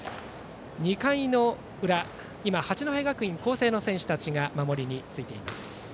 ２回の裏八戸学院光星の選手たちが守りについています。